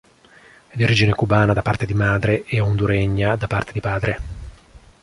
È di origine cubana da parte di madre e honduregna da parte di padre.